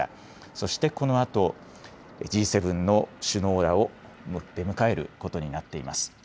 そしてこのあと、Ｇ７の首脳らを出迎えることになっています。